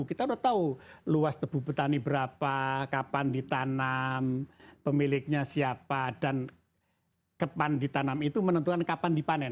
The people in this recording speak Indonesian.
kita sudah tahu luas tebu petani berapa kapan ditanam pemiliknya siapa dan kepan ditanam itu menentukan kapan dipanen